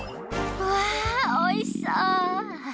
わあおいしそう。